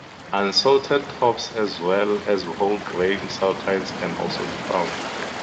Unsalted tops as well as whole grain saltines can also be found.